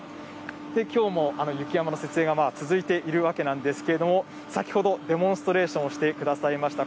きょうも雪山の設営が続いているわけなんですけれども、先ほどデモンストレーションをしてくださいました。